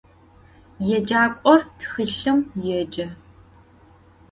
Yêcak'or txılhım yêce.